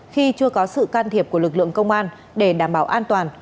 khi chưa có sự can thiệp của lực lượng công an để đảm bảo an toàn